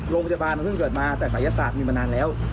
โรงพยาบาลมันเพิ่งเกิดมาแต่ศัยศาสตร์มีมานานแล้ว